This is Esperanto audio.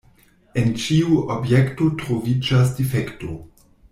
En ĉiu objekto troviĝas difekto.